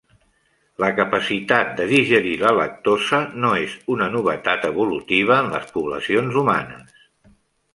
La capacitat de digerir la lactosa no és una novetat evolutiva en les poblacions humanes.